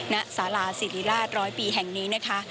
ณสาราศิริราชร้อยปีแห่งนี้นะคะ